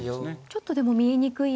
ちょっとでも見えにくい。